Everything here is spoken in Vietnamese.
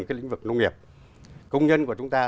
cái lĩnh vực nông nghiệp công nhân của chúng ta